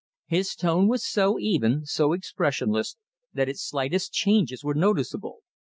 His tone was so even, so expressionless, that its slightest changes were noticeable.